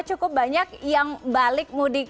cukup banyak yang balik mudik